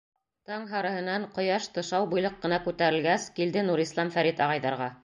Таң һарыһынан, ҡояш тышау буйлыҡ ҡына күтәрелгәс, килде Нурислам Фәрит ағайҙарға.